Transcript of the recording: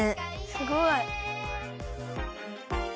すごい。